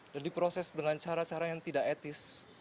dan diproses dengan cara cara yang tidak etis